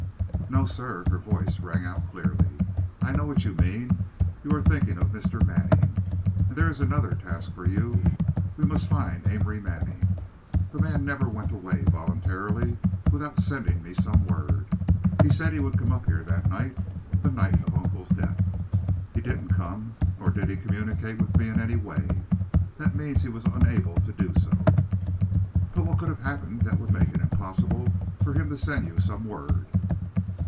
"No, sir," her voice rang out clearly. "I know what you mean, you are thinking of Mr. Manning. And there is another task for you. We must find Amory Manning. That man never went away, voluntarily, without sending me some word. He said he would come up here that night, the night of Uncle's death. He didn't come, nor did he communicate with me in any way. That means he was unable to do so." "But what could have happened that would make it impossible for him to send you some word?"